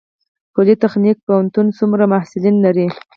پولي تخنیک پوهنتون څومره محصلین لري؟